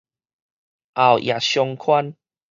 後驛商圈